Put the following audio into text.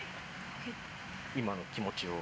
今の気持ちを。